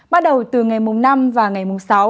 bắt đầu từ ngày mùng năm và ngày mùng sáu